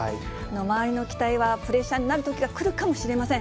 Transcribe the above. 周りの期待はプレッシャーになるときが来るかもしれません。